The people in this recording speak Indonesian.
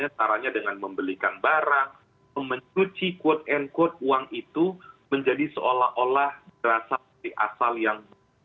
caranya dengan membelikan barang mencuci quote unquote uang itu menjadi seolah olah berasal dari asal yang